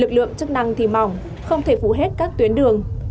lực lượng chức năng thì mỏng không thể phủ hết các tuyến đường